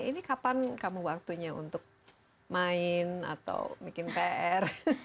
ini kapan kamu waktunya untuk main atau bikin pr